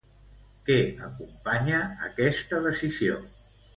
Què acompanya aquesta decisió?